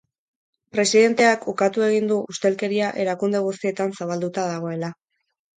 Presidenteak ukatu egin du ustelkeria erakunde guztietan zabalduta dagoela.